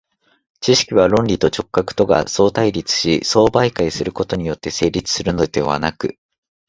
知識は論理と直覚とが相対立し相媒介することによって成立するのではなく、